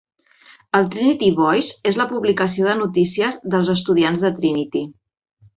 El Trinity Voice és la publicació de notícies dels estudiants de Trinity.